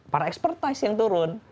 para expertise yang turun